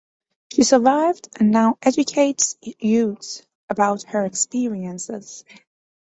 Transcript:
She survived and now educates youths about her experiences.